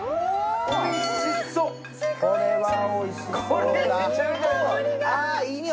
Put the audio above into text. これはおいしそう。